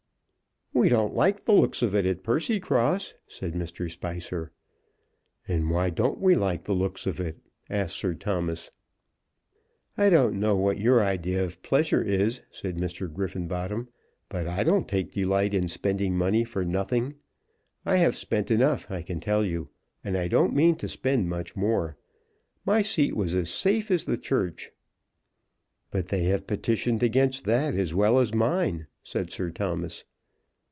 "We don't like the looks of it at Percycross," said Mr. Spicer. "And why don't we like the looks of it?" asked Sir Thomas. "I don't know what your idea of pleasure is," said Mr. Griffenbottom, "but I don't take delight in spending money for nothing. I have spent enough, I can tell you, and I don't mean to spend much more. My seat was as safe as the Church." "But they have petitioned against that as well as mine," said Sir Thomas.